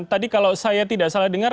tadi kalau saya tidak salah dengar